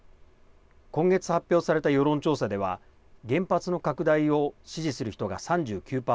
今月、発表された世論調査では原発の拡大を支持する人が３９％。